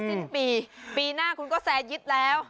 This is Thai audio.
สิ้นปีปีหน้าคุณก็แซร์ยึดแล้ว